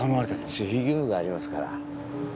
守秘義務がありますからヘヘヘ。